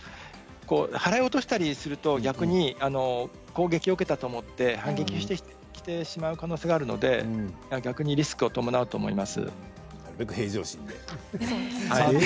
払い落としたりすると逆に攻撃を受けたと思って反撃してきてしまう可能性があるので逆にリスクを伴う平常心で。